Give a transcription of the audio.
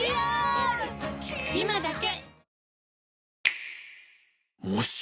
今だけ！